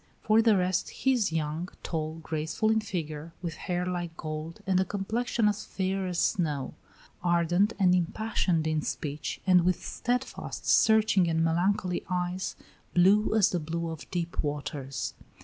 For the rest, he is young, tall, graceful in figure, with hair like gold and a complexion as fair as snow; ardent and impassioned in speech, and with steadfast, searching, and melancholy eyes, blue as the blue of deep waters.